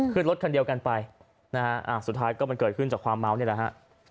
ขึ้นรถคันเดียวกันไปนะฮะสุดท้ายก็มันเกิดขึ้นจากความเมานี่แหละฮะ